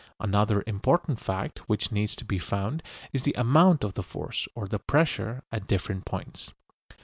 Another important fact which needs to be found is the amount of the force, or the pressure, at different points.